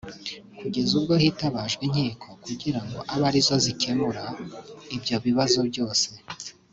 kugeza ubwo hitabajwe inkiko kugirango abe ari zo zikemura ibyo bibazo byose